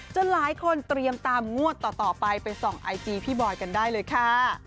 หลายคนเตรียมตามงวดต่อไปไปส่องไอจีพี่บอยกันได้เลยค่ะ